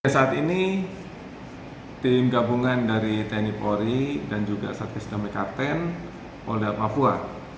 saat ini tim gabungan dari tni polri dan juga satkes damikaten polda papua